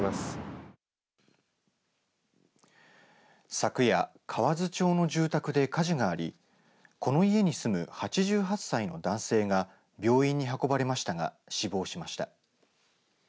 昨夜、河津町の住宅で火事がありこの家に住む８８歳の男性が病院に運ばれましたが死亡しました。